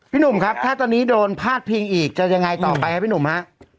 หนุ่มครับถ้าตอนนี้โดนพาดพิงอีกจะยังไงต่อไปครับพี่หนุ่มฮะ